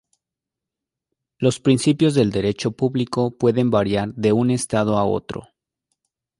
Los principios del derecho público pueden variar de un Estado a otro.